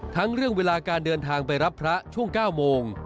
ทั้งเรื่องเวลาการเดินทางไปรับพระช่วง๙โมง